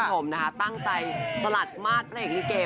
สิ่งคุณคงนะคะตั้งใจสลัดมาตรพระเอกลิเกย์